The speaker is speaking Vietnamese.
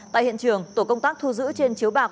tại hiện trường tổ công tác thu giữ trên chiếu bạc